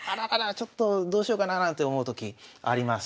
ちょっとどうしようかななんて思うときあります。